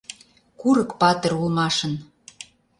Курык патыр улмашын...